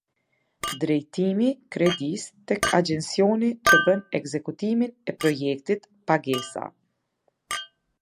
Drejtimi Kredisë tek Agjensioni që bën ekzekutimin e projektit Pagesa.